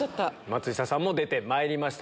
松下さんも出てまいりました。